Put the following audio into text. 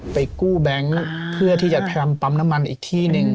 ไปกู้แบงค์เพื่อที่จะทำปั๊มน้ำมันอีกที่หนึ่ง